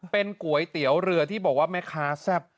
เป็นก๋วยเตี๋ยวเรือที่บอกว่าแม่ค้าแซ่บ